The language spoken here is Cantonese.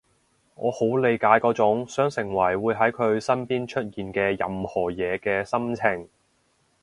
我好理解嗰種想成為會喺佢身邊出現嘅任何嘢嘅心情